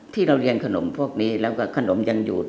ที่เราเรียนขนมพวกนี้แล้วก็ขนมยังอยู่